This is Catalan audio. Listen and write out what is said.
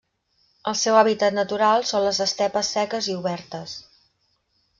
El seu hàbitat natural són les estepes seques i obertes.